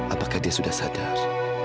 apakah dia sudah sadar